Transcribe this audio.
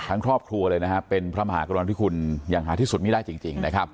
ครอบครัวเลยนะครับเป็นพระมหากรุณาธิคุณอย่างหาที่สุดไม่ได้จริงนะครับ